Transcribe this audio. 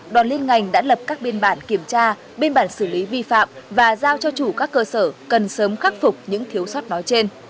đoàn liên ngành đã lập các biên bản kiểm tra biên bản xử lý vi phạm và giao cho chủ các cơ sở cần sớm khắc phục những thiếu sót nói trên